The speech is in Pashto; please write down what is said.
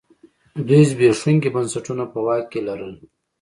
دوی زبېښونکي بنسټونه په واک کې لرل.